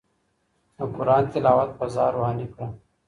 د قرآن تلاوت فضا روحاني کړه.